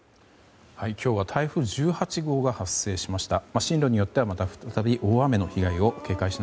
今日は台風１８号が発生しました。